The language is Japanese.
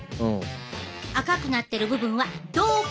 赤くなってる部分は道管。